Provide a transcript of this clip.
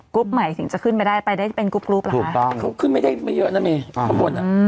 กรุ๊ปใหม่ถึงจะขึ้นไปได้ไปได้เป็นกรุ๊ปรูปล่ะถูกต้องเขาขึ้นไม่ได้เยอะนะมีเขาบนอ่ะอืม